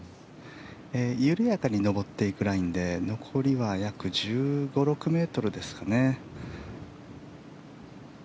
緩やかに上っていくラインで残りは約１５１６ｍですかね。